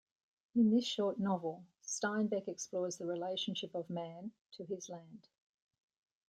In this short novel, Steinbeck explores the relationship of man to his land.